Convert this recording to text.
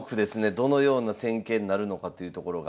どのような戦型になるのかというところが。